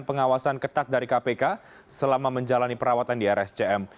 pengawasan ketat dari kpk selama menjalani perawatan di rscm